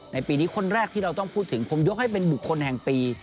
ปีนี้คนแรกที่เราต้องพูดถึงผมยกให้เป็นบุคคลแห่งปี